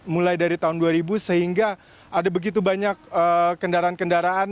mulai dari tahun dua ribu sehingga ada begitu banyak kendaraan kendaraan